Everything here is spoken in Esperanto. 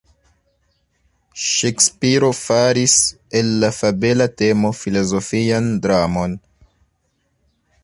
Ŝekspiro faris el la fabela temo filozofian dramon.